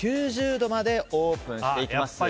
９０度までオープンしていきます。